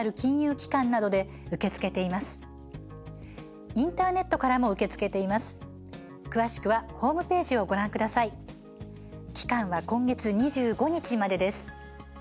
期間は今月２５日までです。